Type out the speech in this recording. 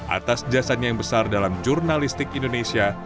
atas jasanya yang besar dalam jurnalistik indonesia